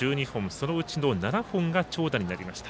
そのうちの７本が長打になりました。